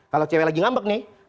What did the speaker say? kalau cewek lagi ngambek nih